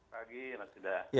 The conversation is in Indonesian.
pagi enak juga